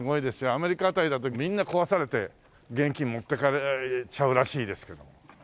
アメリカ辺りだとみんな壊されて現金持っていかれちゃうらしいですけども。